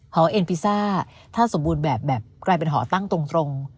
หอเอ็นพิซซ่าถ้าสมบูรณ์แบบแบบกลายเป็นหอตั้งตรง